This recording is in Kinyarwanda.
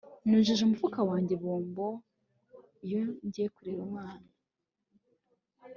Nujuje umufuka wanjye bombo iyo ngiye kureba abana